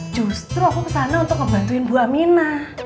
justru aku ke sana untuk ngebantuin bu aminah